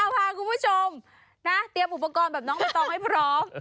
พาคุณผู้ชมนะเตรียมอุปกรณ์แบบน้องใบตองให้พร้อม